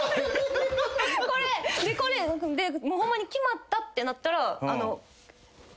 これホンマに決まったってなったら。